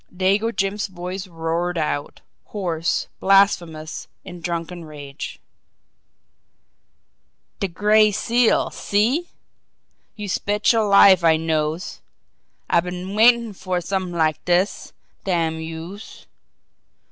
Dago Jim's voice roared out, hoarse, blasphemous, in drunken rage: "De Gray Seal see! Youse betcher life I knows! I been waitin' fer somet'ing like dis, damn youse!